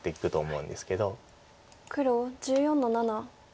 黒１４の七ツギ。